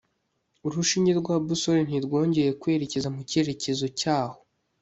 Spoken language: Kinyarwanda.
urushinge rwa busole ntirwongeye kwerekeza mu cyerekezo cyaho